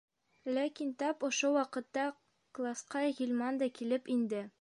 Ләкин тап ошо ваҡытта класҡа Ғилман да килеп инде.